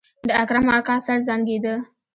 د اکرم اکا سر زانګېده.